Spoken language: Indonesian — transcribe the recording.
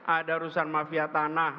ada rusuhan mafia tanah